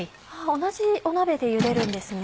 同じ鍋でゆでるんですね。